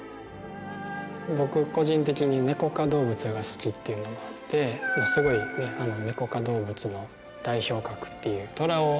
僕個人的にネコ科動物が好きっていうのもあってすごいネコ科動物の代表格っていう。